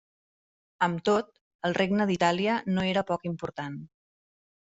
Amb tot, el Regne d'Itàlia no era poc important.